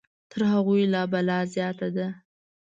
تر هغوی لا بلا زیاته ده.